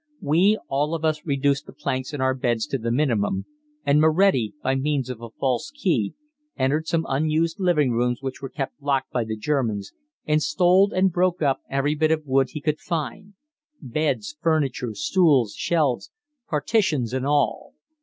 We all of us reduced the planks in our beds to the minimum, and Moretti, by means of a false key, entered some unused living rooms which were kept locked by the Germans, and stole and broke up every bit of wood he could find beds, furniture, stools, shelves, partitions and all.